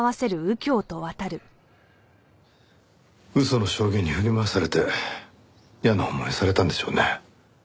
嘘の証言に振り回されて嫌な思いをされたんでしょうね。